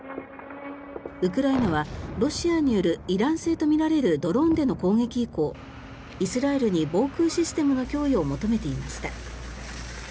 ウクライナはロシアによるイラン製とみられるドローンでの攻撃以降イスラエルに防空システムの供与を求めていました。